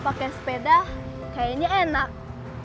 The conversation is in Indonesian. pakai sepeda kayaknya capek juga tau